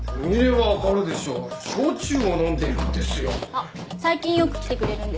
あっ最近よく来てくれるんです。